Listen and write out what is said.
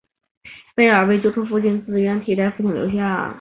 贝儿为救出父亲自愿代替父亲留下。